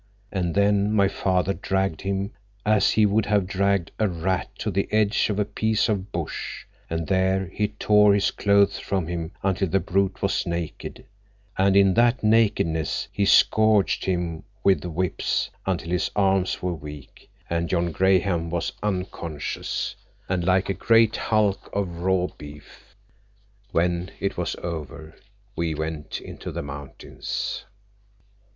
And then my father dragged him as he would have dragged a rat to the edge of a piece of bush, and there he tore his clothes from him until the brute was naked; and in that nakedness he scourged him with whips until his arms were weak, and John Graham was unconscious and like a great hulk of raw beef. When it was over, we went into the mountains."